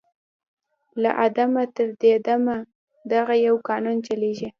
« له آدمه تر دې دمه دغه یو قانون چلیږي